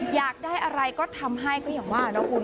อยากได้อะไรก็ทำให้ก็อย่างว่านะคุณ